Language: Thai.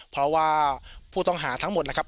เพราะว่าผู้ต้องหาทั้งหมดนะครับ